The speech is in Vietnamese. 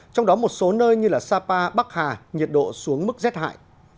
trong đó một số nơi như sapa bắc hà nhiệt độ xuống mức rét hại